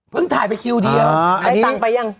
เพิ่งถ่ายไปคิวเดียวได้ต่างยัง